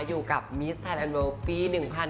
อยู่กับมิสไทยแลนดเวิลปี๑๕